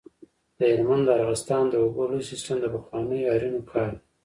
د هلمند د ارغستان د اوبو لوی سیستم د پخوانیو آرینو کار دی